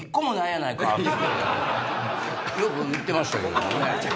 よく言ってましたけどもね。